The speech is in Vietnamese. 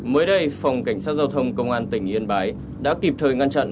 mới đây phòng cảnh sát giao thông công an tỉnh yên bái đã kịp thời ngăn chặn